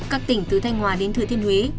các tỉnh từ thanh hòa đến thừa thiên huế